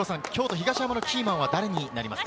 キーマンは誰になりますか？